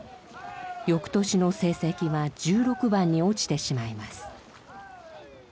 翌年の成績は１６番に落ちてしまいます。